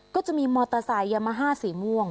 ก็จะมีมอเตอร์ไซค์ยามาฮ่าสีม่วง